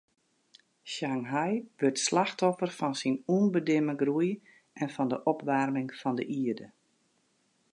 Shanghai wurdt slachtoffer fan syn ûnbedimme groei en fan de opwaarming fan de ierde.